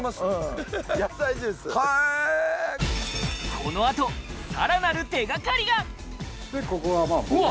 この後さらなる手掛かりがわっ！